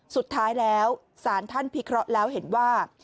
สุดท้ายแล้วศาลท่านพิเคราะห์แล้วเห็นว่า